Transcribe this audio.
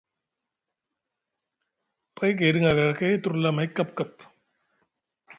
Pay gaydi ŋarakay et turli amay kapkap.